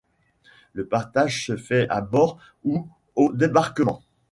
Le partage se fait à bord ou au débarquement.